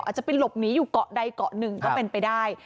อาจจะไปหลบหนีอยู่เกาะใดเกาะหนึ่งก็เป็นไปได้